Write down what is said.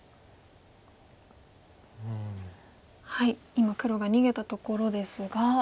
今黒が逃げたところですが。